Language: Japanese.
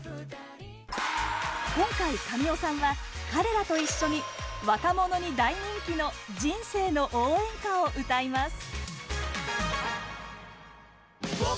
今回、神尾さんは彼らと一緒に若者に大人気の「人生の応援歌」を歌います。